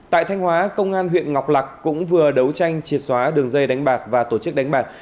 tại thanh hóa công an huyện ngọc lạc cũng vừa đấu tranh triệt xóa đường dây đánh bạc và tổ chức đánh bạc